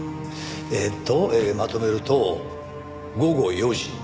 えっとまとめると午後４時。